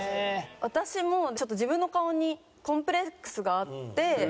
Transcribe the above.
私もちょっと自分の顔にコンプレックスがあって。